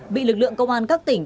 bị lực lượng công an các tỉnh